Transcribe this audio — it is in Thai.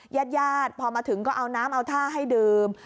ญาติญาติพอมาถึงก็เอาน้ำเอาท่าให้ดื่ม